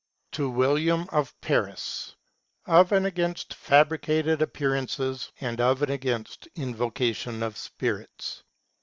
] To William of Paris : I. OP AND AGAINST FABRICATED APPEARANCES, AND OF AND AGAINST INVOCATION OF SPIRITS.